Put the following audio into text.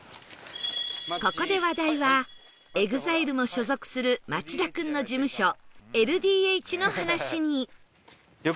ここで話題は ＥＸＩＬＥ も所属する町田君の事務所 ＬＤＨ の話に